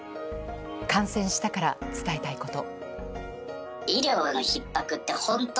感染したから伝えたいこと。